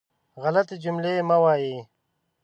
غلطې جملې مه وایئ.